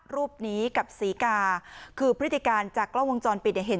รูปนี้กับศรีกาคือพฤติการจากกล้องวงจรปิดเนี่ยเห็น